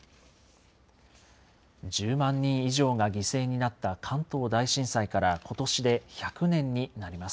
１０万人以上が犠牲になった関東大震災から、ことしで１００年になります。